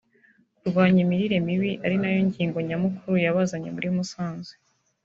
kurwanya imirire mibi ari nayo ngingo nyamukuru yabazanye muri Musanze